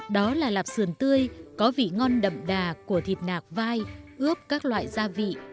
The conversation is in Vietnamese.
đó là lạp sườn tươi có vị ngon đậm đà của thịt nạc vai ướp các loại gia vị